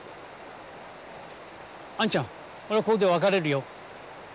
あんちゃん俺ここで別れるよ。